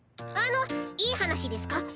あのいい話ですか？